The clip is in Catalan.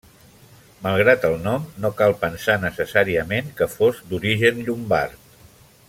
Malgrat el nom, no cal pensar necessàriament que fos d'origen llombard.